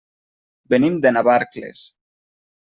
Venim de Navarcles.